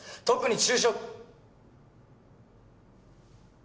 特に中小。